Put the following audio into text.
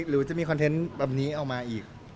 หรือจะมีคอนเทนต์แบบนี้ออกมาอีก